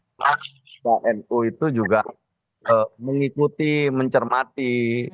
pprnu itu juga mengikuti mencermati